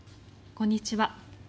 こんにちは。